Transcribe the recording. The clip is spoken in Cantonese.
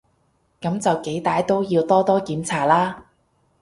噉就幾歹都要多多檢查啦